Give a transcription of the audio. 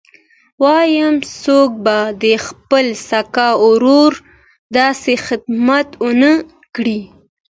وايم څوک به د خپل سکه ورور داسې خدمت ونه کي.